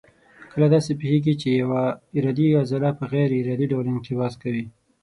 کله داسې پېښېږي چې یوه ارادي عضله په غیر ارادي ډول انقباض کوي.